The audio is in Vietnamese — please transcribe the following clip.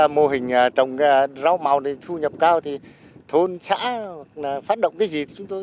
mô hình trồng rau màu thu nhập cao thì thôn xã phát động cái gì